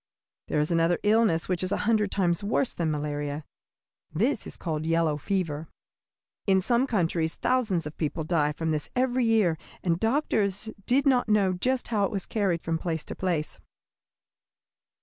There is another illness which is a hundred times worse than malaria. This is called yellow fever. In some countries thousands of people died from this every year, and doctors did not know just how it was carried from place to place.